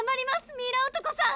ミイラ男さん！